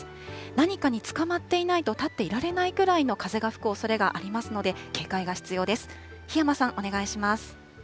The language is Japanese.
何かにつかまっていないと立っていられないくらいの風が吹くおそれがありますので、警戒が必要です。